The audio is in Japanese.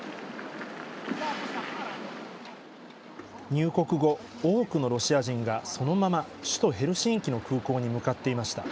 入国後多くのロシア人がそのまま首都ヘルシンキの空港に向かっていました。